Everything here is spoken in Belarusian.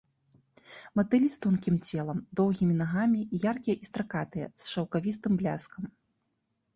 Матылі з тонкім целам, доўгімі нагамі, яркія і стракатыя, з шаўкавістым бляскам.